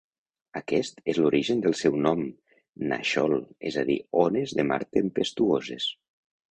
Aquest és l'origen del seu nom "Nahshol", és a dir, "ones de mar tempestuoses".